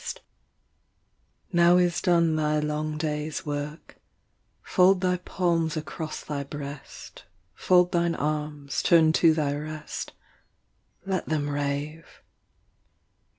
1 Now is done thy long day’s work; Fold thy palms across thy breast, Fold thine arms, turn to thy rest. Let them rave.